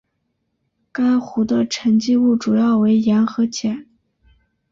该湖的沉积物主要为盐和碱。